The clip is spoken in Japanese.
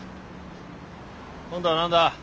今度は何だ？